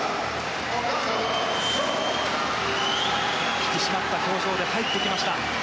引き締まった表情で入ってきました。